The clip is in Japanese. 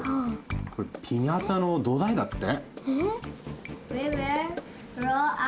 これピニャータのどだいだって。